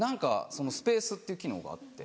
スペースっていう機能があって。